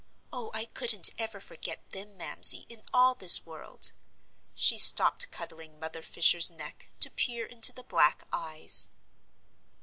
"Oh, I couldn't ever forget them, Mamsie, in all this world." She stopped cuddling Mother Fisher's neck, to peer into the black eyes.